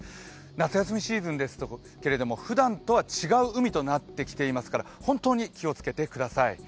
夏休みシーズンですけれども、ふだんとは違う海となってきていますから本当に気をつけてください。